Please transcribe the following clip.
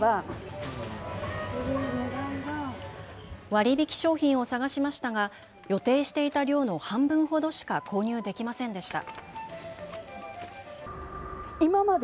割り引き商品を探しましたが予定していた量の半分ほどしか購入できませんでした。